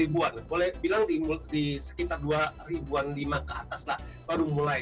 boleh bilang di sekitar dua ribu an ke atas lah baru mulai